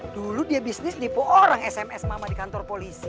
dulu dia bisnis lipo orang sms mama di kantor polisi